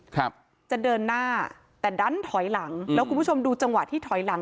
ครับจะเดินหน้าแต่ดันถอยหลังแล้วคุณผู้ชมดูจังหวะที่ถอยหลัง